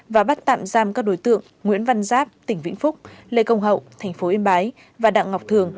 và bắt tạm giam các đối tượng nguyễn văn giáp tỉnh vĩnh phúc lê công hậu tp yên bái và đặng ngọc thường